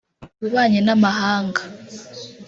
ububanyi n’amahanga